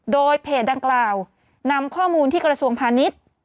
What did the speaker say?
โดยเพจดังกล่าวนำข้อมูลที่กระทรวงพาณิชย์